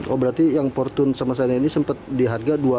oh berarti yang portun kemasannya ini sempat di harga rp dua puluh delapan ya